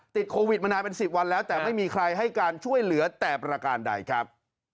ติดโควิดมานานเป็น๑๐วันแล้วแต่ไม่มีใครให้การช่วยเหลือแต่ประการใดครับ